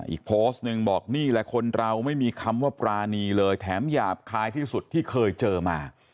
อีกโพสต์หนึ่งบอกนี่แหละคนเราไม่มีคำว่าปรานีเลยแถมหยาบคายที่สุดที่เคยเจอมา